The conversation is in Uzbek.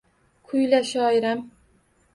Kuyla, shoiram!